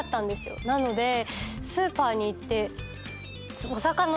なのでスーパーに行って。